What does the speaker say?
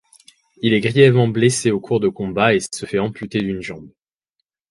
Il est grièvement blessé au cours de combats et se fait amputer d'une jambe.